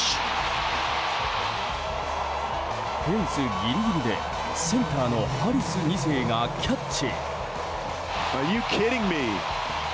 フェンスギリギリでセンターのハリス２世がキャッチ。